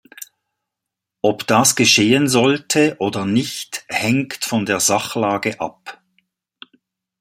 Ob das geschehen sollte oder nicht, hängt von der Sachlage ab.